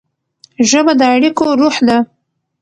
ژبه د اړیکو روح ده.